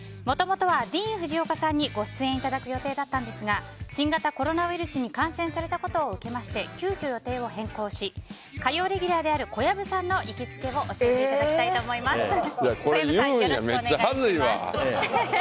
もともとはディーン・フジオカさんにご出演いただく予定だったんですが新型コロナウイルスに感染されたことを受けまして急きょ予定を変更し火曜レギュラーである小籔さんの行きつけを教えていただきたいと思います。